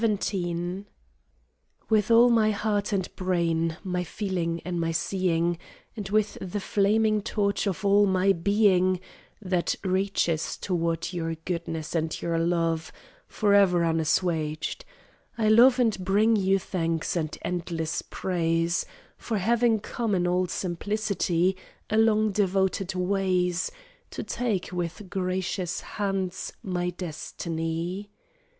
XVII With all my heart and brain, my feeling and my seeing, And with the flaming torch of all my being That reaches toward your goodness and your love, Forever unassuaged, I love and bring you thanks and endless praise For having come in all simplicity Along devoted ways, To take, with gracious hands, my destiny.